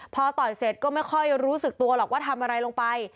พอต่อยเสร็จก็ไม่ค่อยรู้สึกตัวหรอกว่าทำอะไรลงไป